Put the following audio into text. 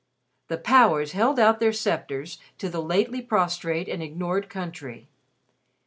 The Powers held out their scepters to the lately prostrate and ignored country.